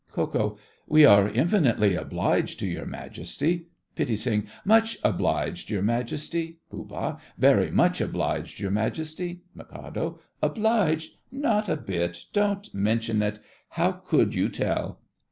KO. We are infinitely obliged to your Majesty—— PITTI. Much obliged, your Majesty. POOH. Very much obliged, your Majesty. MIK. Obliged? not a bit. Don't mention it. How could you tell?